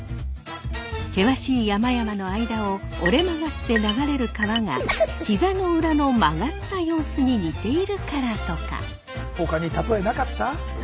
険しい山々の間を折れ曲がって流れる川がひざの裏の曲がった様子に似ているからとか。